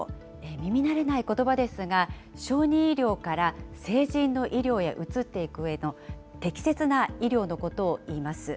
耳慣れないことばですが、小児医療から成人の医療へ移っていく上の適切な医療のことをいいます。